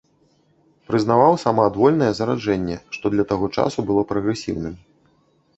Прызнаваў самаадвольнае зараджэнне, што для таго часу было прагрэсіўным.